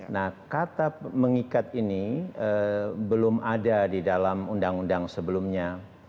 nah kata mengikat ini belum ada di dalam undang undang sebelumnya